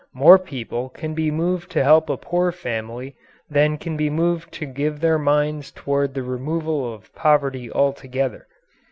More people can be moved to help a poor family than can be moved to give their minds toward the removal of poverty altogether.